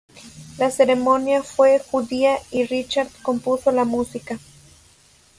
La ceremonia fue judía y Richard compuso la música.